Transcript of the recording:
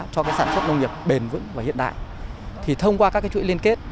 cho cái sản xuất nông nghiệp bền vững và hiện đại thì thông qua các chuỗi liên kết